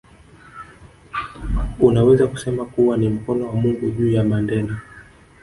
Unaweza kusema kuwa ni mkono wa Mungu juu ya Mandela